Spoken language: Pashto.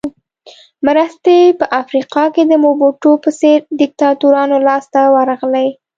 مرستې په افریقا کې د موبوټو په څېر دیکتاتورانو لاس ته ورغلې.